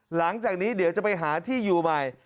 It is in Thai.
หลังจากนี้เดี๋ยวจะไปหาที่อยู่ใหม่